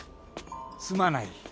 すまない。